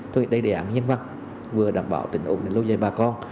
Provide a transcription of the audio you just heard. thôi đây đề án nhân văn vừa đảm bảo tỉnh ổn định lâu dài bà con